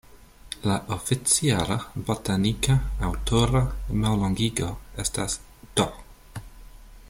Lia oficiala botanika aŭtora mallongigo estas "D.".